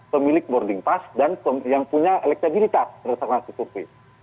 pemilik boarding pass dan yang punya elektabilitas terutama si surpi